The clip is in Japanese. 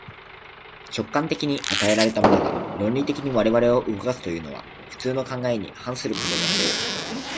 直観的に与えられたものが、論理的に我々を動かすというのは、普通の考えに反することであろう。